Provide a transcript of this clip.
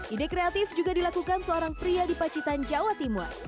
ide kreatif juga dilakukan seorang pria di pacitan jawa timur